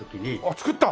作った！？